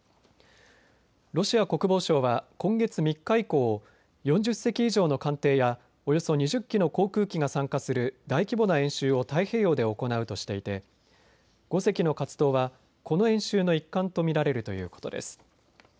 ロシア国防省は今月３日以降、４０隻以上の艦艇やおよそ２０機の航空機が参加する大規模な演習を太平洋で行うとしていて５隻の活動は、この演習の一環と見られるということです。